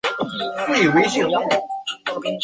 殿试登进士第三甲第一百六十六名。